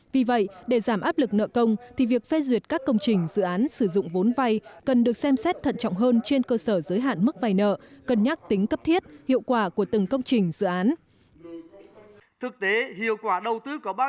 vì vậy để giảm áp lực nợ công thì việc phê duyệt các công trình dự án sử dụng vốn vay cần được xem xét thận trọng hơn trên cơ sở giới hạn mức vay nợ cân nhắc tính cấp thiết hiệu quả của từng công trình dự án